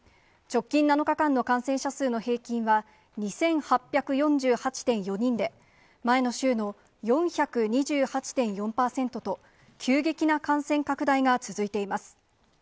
直近７日間の感染者数の平均は２８４８．４人で、前の週の４２８．４％と、急激な感染拡大が続いています。